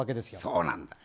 そうなんだよ。